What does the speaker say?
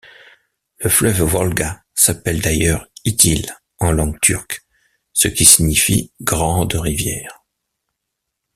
Le fleuve Volga s'appelle d'ailleurs İtil en langues turques, ce qui signifie grande rivière.